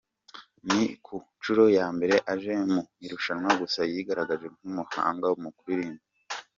Ni ku nshuro ya mbere aje mu irushanwa gusa yigaragaje nk’umuhanga mu kuririmba.